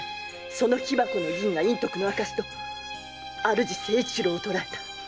その木箱の銀が隠匿の証拠と主人誠一郎を捕えた。